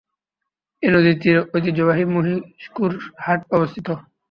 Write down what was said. এই নদীর তীরে ঐতিহ্যবাহী মহিষকুড় হাট অবস্থিত।